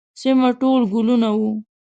سیمه ټول ګلونه وه.